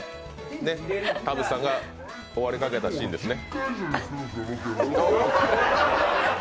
田渕さんが終わりかけたシーンですね。